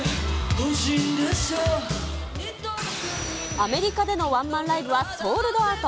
アメリカでのワンマンライブは、ソールドアウト。